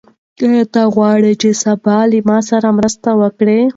آیا ته غواړې چې سبا له ما سره مرسته وکړې؟